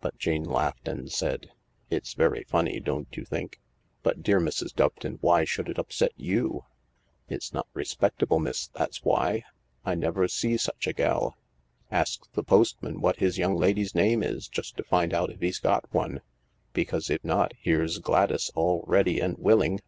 But Jane laughed and said :" It's Very funny, don't you think ? But, dear Mrs. Doveton, why should it upset you ?"" It's not respectable, miss, that's why. I never see such a gell. Asks the postman what his young lady's name is, just to find out if he's got one, because, if not, here's Gladys all ready and willing."